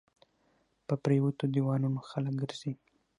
په پريوتو ديوالونو خلک ګرځى